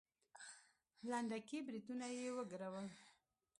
لنډکي برېتونه يې وګرول.